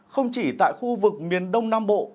không chỉ tại khu vực miền đông nam bộ